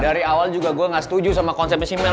dari awal juga gue gak setuju sama konsepnya email